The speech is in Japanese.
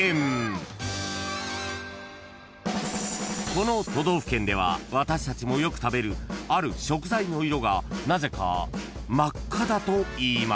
［この都道府県では私たちもよく食べるある食材の色がなぜか真っ赤だといいます］